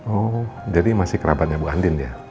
oh jadi masih kerabatnya bu andin ya